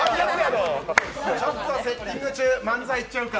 ちょっとセッティング中、漫才いっちゃうか？